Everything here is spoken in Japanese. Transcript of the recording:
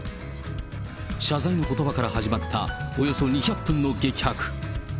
謝罪のことばから始まった、およそ２００分の激白。